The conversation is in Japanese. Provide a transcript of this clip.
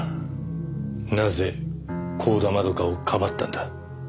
なぜ光田窓夏をかばったんだ？